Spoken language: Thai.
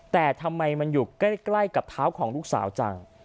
แต่ทำไมมันอยู่ใกล้กับเท้าของลูกสาวจัง